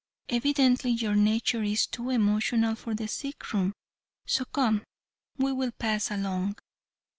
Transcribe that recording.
Evidently your nature is too emotional for the sick room, so come, we will pass along."